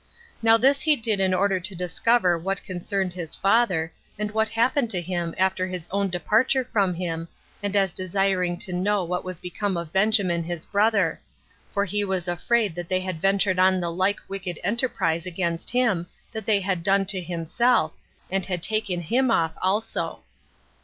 Now this he did in order to discover what concerned his father, and what happened to him after his own departure from him, and as desiring to know what was become of Benjamin his brother; for he was afraid that they had ventured on the like wicked enterprise against him that they had done to himself, and had taken him off also.